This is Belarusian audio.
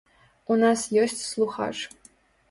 У нас ёсць слухач.